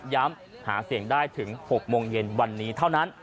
หาเสียงได้ถึง๖โมงเย็นวันนี้เท่านั้น